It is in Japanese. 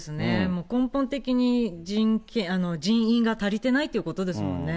もう根本的に人員が足りてないということですもんね。